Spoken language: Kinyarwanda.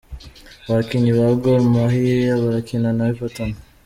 Abakinnyi ba Gor Mahia barakina na Everton:.